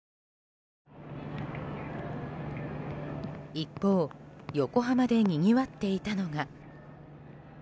一方、横浜でにぎわっていたのが。